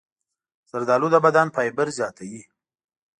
زردالو د بدن فایبر زیاتوي.